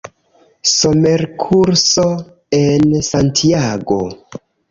Somerkurso en Santiago.